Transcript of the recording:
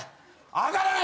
上がらない！